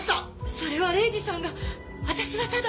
それは礼司さんが私はただ。